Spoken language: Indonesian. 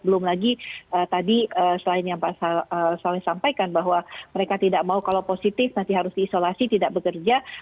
belum lagi tadi selain yang pak soni sampaikan bahwa mereka tidak mau kalau positif nanti harus diisolasi tidak bekerja